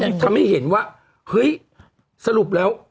ก็จะไม่เห็นว่าเฮ้ยสรุปแล้ว